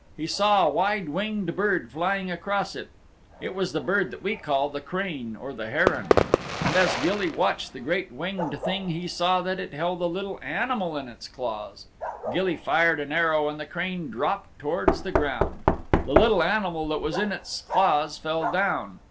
He saw a wide winged bird flying across it. It was the bird that we call the crane or the heron. And as Gilly watched the great winged thing he saw that it held a little animal in its claws. Gilly fired an arrow and the crane dropped towards the ground. The little animal that was in its claws fell down.